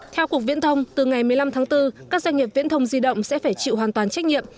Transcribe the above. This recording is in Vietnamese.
theo cục viễn thông từ ngày một mươi năm tháng bốn các doanh nghiệp viễn thông di động sẽ phải chịu hoàn toàn trách nhiệm